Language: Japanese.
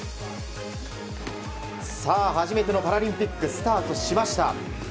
さあ、初めてのパラリンピックスタートしました。